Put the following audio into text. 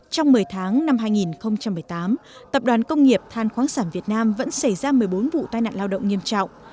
trong một mươi tháng năm hai nghìn một mươi tám tập đoàn công nghiệp than khoáng sản việt nam vẫn xảy ra một mươi bốn vụ tai nạn lao động nghiêm trọng